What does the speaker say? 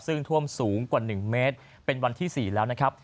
ซึ่งท่วมสูงกว่า๑เมตรเป็นวันที่๔แล้วนะครับ